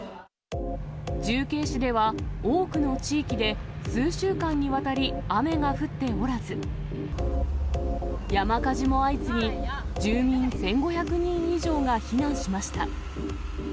重慶市では多くの地域で数週間にわたり雨が降っておらず、山火事も相次ぎ、住民１５００人以上が避難しました。